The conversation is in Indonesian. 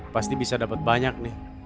pasti bisa dapat banyak nih